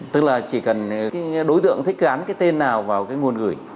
tức là chỉ cần đối tượng thích gắn cái tên nào vào cái nguồn gửi